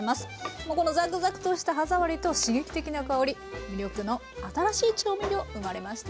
もうこのザクザクとした歯ざわりと刺激的な香り魅力の新しい調味料生まれました。